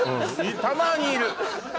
たまにいる。